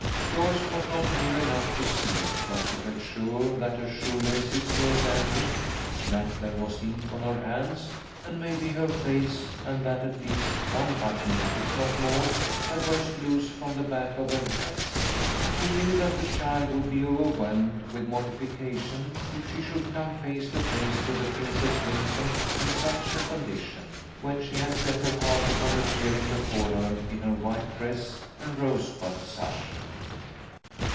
Joyce was not near enough to see, but she felt sure that her shoe laces were dangling, that there was ink on her hands and maybe her face, and that at least one button, if not more, had burst loose from the back of her dress. She knew that the child would be overwhelmed with mortification if she should come face to face with the Princess Winsome in such a condition, when she had set her heart upon appearing before her in her white dress and rosebud sash.